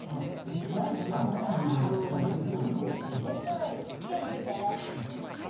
Ｓｉ、火をつけて。